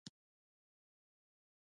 د سپرم د کموالي لپاره باید څه شی وکاروم؟